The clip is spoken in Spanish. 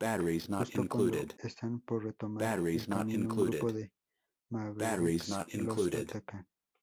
Justo cuando están por retomar el camino, un grupo de Mavericks los atacan.